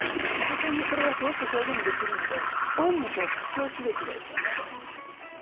で筆ペンでそれがすごく表現できるので大いに活用すべきですよね。